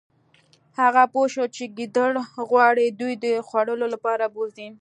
هغه پوه شو چې ګیدړ غواړي دوی د خوړلو لپاره بوزي